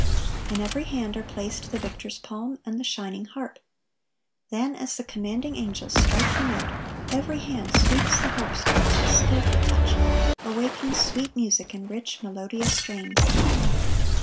In every hand are placed the victor's palm and the shining harp. Then, as the commanding angels strike the note, every hand sweeps the harp strings with skilful touch, awaking sweet music in rich, melodious strains.